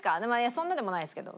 そんなでもないですけど。